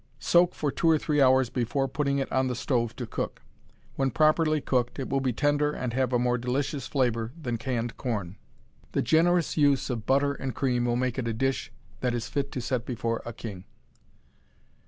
Soak it for two or three hours before putting it on the stove to cook. When properly cooked it will be tender and have a more delicious flavor than canned corn. The generous use of butter and cream will make it a dish that is fit to set before a king.